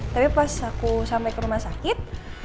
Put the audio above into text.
tapi pas aku sampai ke rumah sakit